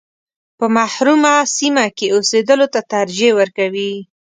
په محرومه سیمه کې اوسېدلو ته ترجیح ورکوي.